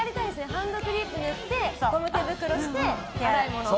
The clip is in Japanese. ハンドクリーム塗ってゴム手袋して洗い物。